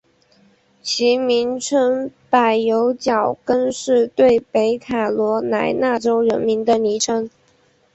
其名称柏油脚跟是对北卡罗来纳州人民的昵称。